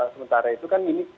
sementara itu kan ini